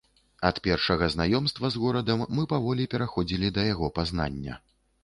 Ад першага знаёмства з горадам мы паволі пераходзілі да яго пазнання.